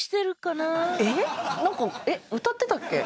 なんか歌ってたっけ？